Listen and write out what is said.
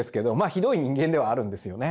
ひどい人間ではあるんですよね。